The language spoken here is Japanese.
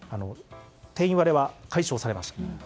定員割れは解消されました。